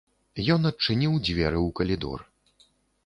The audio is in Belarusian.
Ён адчыніў дзверы ў калідор.